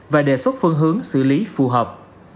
và đề xuất phương hướng xử lý phù hợp